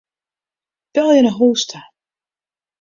Belje nei hûs ta.